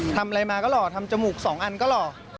ทำอะไรมาก็หล่อทำจมูก๒อันก็หล่อ